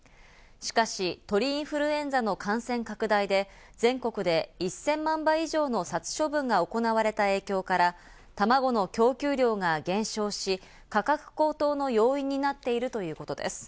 しかし鳥インフルエンザの感染拡大で、全国で１０００万羽以上の殺処分が行われた影響から、たまごの供給量が減少し、価格高騰の要因になっているということです。